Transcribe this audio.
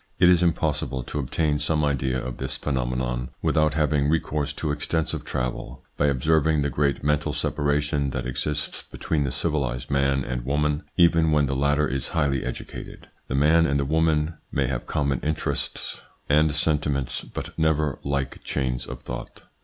It is possible to obtain some idea of this phenomenon, without having recourse to extensive travel, by observing the great mental separation that exists between the civilised man and woman, even when the latter is highly educated. The man and the woman may have common interests and senti ments, but never like chains of thought.